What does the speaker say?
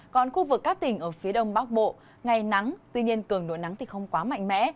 còn khu vực các tỉnh ở phía đông bắc bộ ngày nắng tuy nhiên cường độ nắng thì không quá mạnh mẽ